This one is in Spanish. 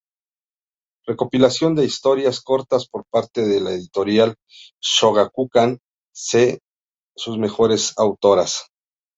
Recopilación de historias cortas por parte de la editorial Shōgakukan de sus mejores autoras.